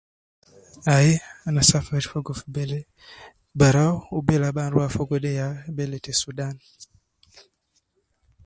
Ai ana safir fogo fi bele barau wu bele ab ana rua fogo de ya bele te sudan